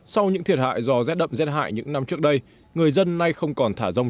sau những thiệt hại do rét đậm rét hại những năm trước đây người dân nay không còn thả rông